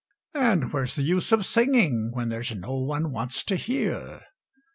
And where's the use of singing, when there's no one wants to hear?